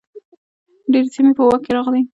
ډیرې سیمې په واک کې راغلې.